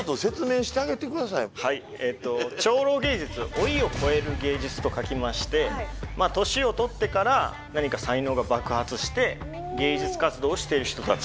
超老芸術老いを超える芸術と書きまして年をとってから何か才能が爆発して芸術活動をしている人たちのことです。